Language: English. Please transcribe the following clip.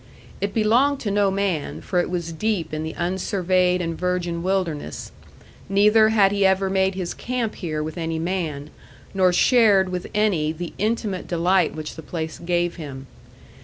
It belonged to no man, for it was deep in the unsurveyed and virgin wilderness; neither had he ever made his camp here with any man, nor shared with any the intimate delight which the place gave him.